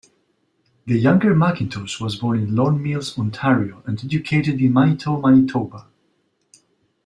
The younger McIntosh was born in Lorne Mills, Ontario, and educated in Manitou, Manitoba.